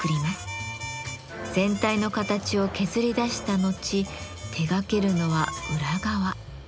全体の形を削り出した後手がけるのは裏側。